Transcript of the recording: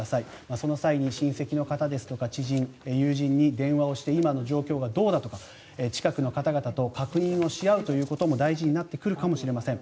その際に親戚の方ですとか知人、友人に電話をして今の状況がどうだとか近くの方々と確認をし合うということも大事になってくるかもしれません。